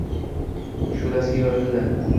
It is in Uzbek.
Shu’lasiga yo’rrildi.